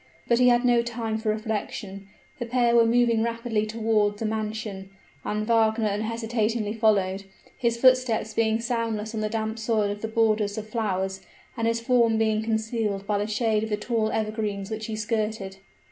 But he had no time for reflection; the pair were moving rapidly toward the mansion and Wagner unhesitatingly followed, his footsteps being soundless on the damp soil of the borders of flowers, and his form being concealed by the shade of the tall evergreens which he skirted.